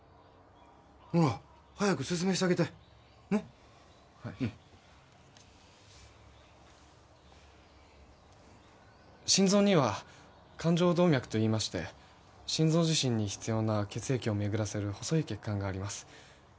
ほら早く説明してあげてはい心臓には冠状動脈といいまして心臓自身に必要な血液をめぐらせる細い血管があります